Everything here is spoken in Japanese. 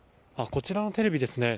こちらのテレビですね。